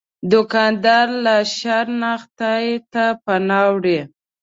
دوکاندار له شر نه خدای ته پناه وړي.